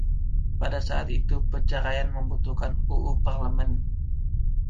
Pada saat itu, perceraian membutuhkan UU Parlemen.